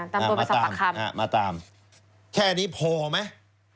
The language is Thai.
อ่าตำลวดมาสับปะคำอ่ามาตามแค่นี้พอไหม